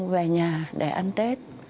về nhà để ăn tết